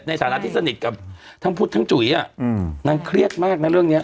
ในฐานะที่สนิทกับทั้งพุทธทั้งจุ๋ยนางเครียดมากนะเรื่องนี้